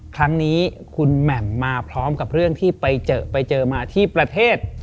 ครั้งนี้คุณแหม่มมาพร้อมกับเรื่องที่ไปเจอไปเจอมาที่ประเทศ